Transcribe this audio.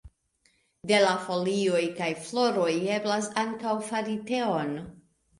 De la folioj kaj floroj eblas ankaŭ fari teon.